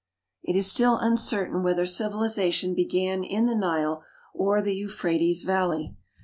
It is still uncertain whether civilization began in the Nile or the Euphrates valley.